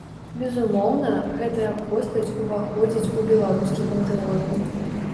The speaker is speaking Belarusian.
Безумоўна, гэтая постаць уваходзіць у беларускі пантэон.